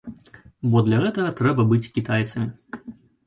Бо для гэтага трэба быць кітайцамі.